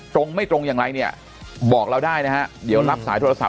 ตรงไม่ตรงอย่างไรเนี่ยบอกเราได้นะฮะเดี๋ยวรับสายโทรศัพ